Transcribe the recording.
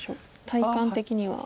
体感的には。